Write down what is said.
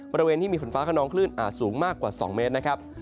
บริเวณที่มีฝนฟ้าขนองคลื่นอาจสูงมากกว่า๒เมตรนะครับ